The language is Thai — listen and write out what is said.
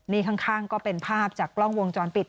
นี่ข้างก็เป็นภาพจากกล้องวงจรปิด